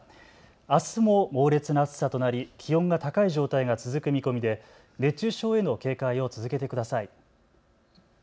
あすも猛烈な暑さとなり気温が高い状態が続く見込みで熱中症への警戒を続けてください。